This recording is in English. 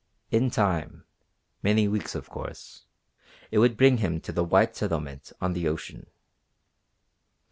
In time, many weeks, of course, it would bring him to the white settlement on the ocean.